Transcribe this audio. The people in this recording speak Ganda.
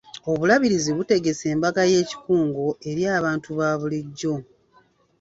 Obulabirizi butegese embaga y'ekikungo eri abantu ba bulijjo.